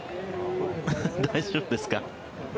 大丈夫ですか。